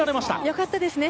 良かったですね。